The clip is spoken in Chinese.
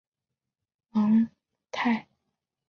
芒泰埃人口变化图示